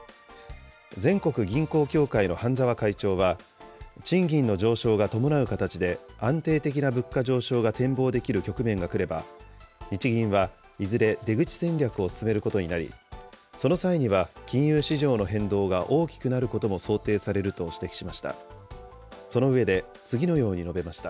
全国銀行協会の半沢会長は、賃金の上昇が伴う形で安定な物価上昇が展望できる局面が来れば、日銀はいずれ出口戦略を進めることになり、その際には、金融市場の変動が大きくなることも想定されると指摘しました。